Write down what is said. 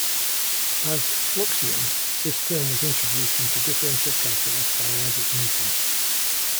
As "fluxion", this term was introduced into differential calculus by Isaac Newton.